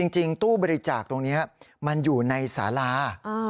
จริงตู้บริจาคตรงนี้มันอยู่ในสารา